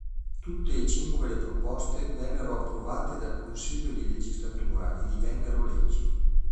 Tutte e cinque le proposte vennero approvate dal consiglio di legislatura e divennero leggi.